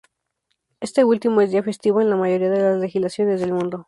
Este último es día festivo en la mayoría de las legislaciones del mundo.